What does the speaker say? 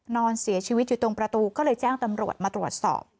นอนเสียชีวิตอยู่ตรงประตูก็เลยแจ้งตำรวจมาตรวจสอบ